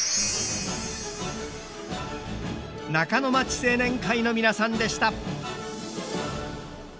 中の町青年会の皆さんでした。